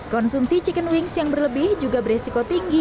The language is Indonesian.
konsumsi chicken wings yang berlebih juga beresiko tinggi